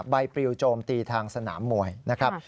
ปริวโจมตีทางสนามมวยนะครับ